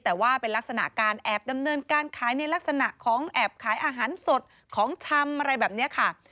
แต่ว่าเป็นลักษณะการแอบดำเนินการขายในลักษณะของแอบขายอาหารสดของชำอะไรแบบนี้ค่ะ